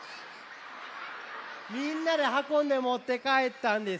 みんなではこんでもってかえったんですね。